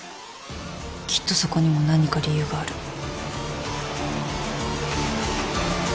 きっとそこにも何か理由がある。